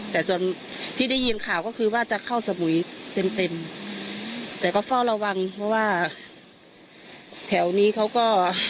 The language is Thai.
แต่จนที่ได้ยินข่าวก็คือว่าจะเข้าสมุยเต็มเต็มแต่ก็เฝ้าระวังเพราะว่าแถวนี้เขาก็